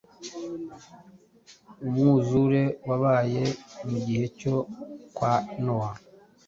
umwuzure wabaye mugihe cyo kwa nowa